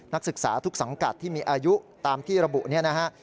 นักศึกษาทุกสังกัดที่มีอายุตามที่ระบุเนี่ยนะฮะ